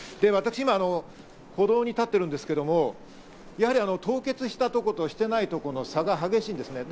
私今、歩道に立ってるんですけれども、やはり凍結した所としていないところの差が激しいです。